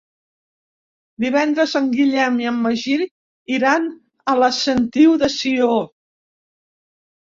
Divendres en Guillem i en Magí iran a la Sentiu de Sió.